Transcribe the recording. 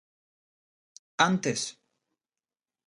Antes.